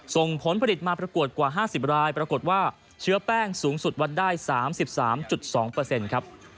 ส่งผลผลิตมาประกวดกว่า๕๐รายปรากฏว่าเชื้อแป้งสูงสุดวัดได้๓๓๒ครับ